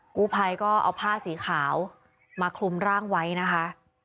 กู้ภัยก็เอาผ้าสีขาวมาคลุมร่างไว้นะคะ